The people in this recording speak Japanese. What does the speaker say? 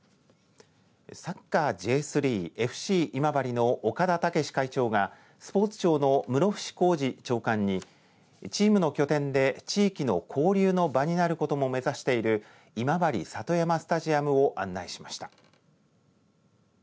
サッカーＪ３ＦＣ今治の岡田武史会長がスポーツ庁の室伏高知長官にチームの拠点で地域の交流の場になることも目指している今治里山スタジアムを案内しました。